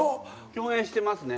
共演してますね。